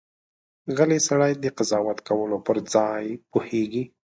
غلی سړی، د قضاوت کولو پر ځای پوهېږي.